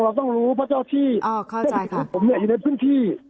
เราต้องรู้เพราะเจ้าที่